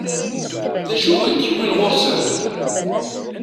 D acu i kent-yewwin ɣur-sen?